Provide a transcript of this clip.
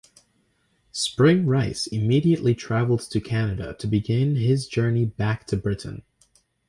Spring Rice immediately travelled to Canada to begin his journey back to Britain.